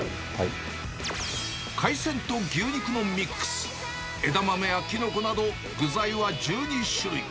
海鮮と牛肉のミックス、枝豆やキノコなど、具材は１２種類。